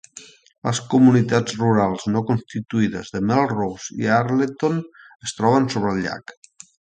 Les comunitats rurals no constituïdes de Melrose i Earleton es troben sobre el llac.